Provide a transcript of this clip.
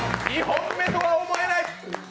２本目とは思えない。